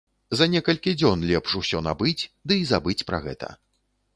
За некалькі дзён лепш усё набыць, ды і забыць пра гэта.